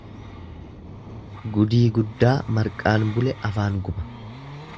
Gudii guddaa marqaan bule afaan guba.